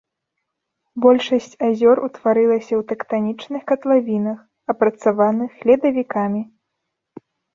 Большасць азёр утварылася ў тэктанічных катлавінах, апрацаваных ледавікамі.